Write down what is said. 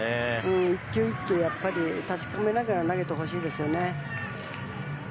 １球１球確かめながら投げてほしいですよね。